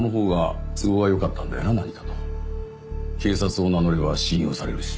警察を名乗れば信用されるし。